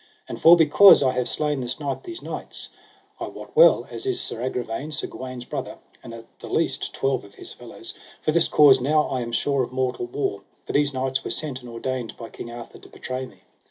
And for because I have slain this night these knights, I wot well, as is Sir Agravaine Sir Gawaine's brother, and at the least twelve of his fellows, for this cause now I am sure of mortal war, for these knights were sent and ordained by King Arthur to betray me.